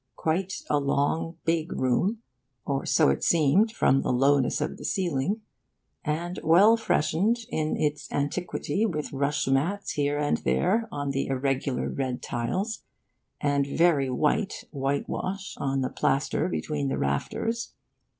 Quite a long big room (or so it seemed, from the lowness of the ceiling), and well freshened in its antiquity, with rush mats here and there on the irregular red tiles, and very white whitewash on the plaster between the rafters.